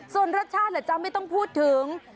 ส่วนรสชาติเหรอจ๊ะไม่ต้องพูดถึง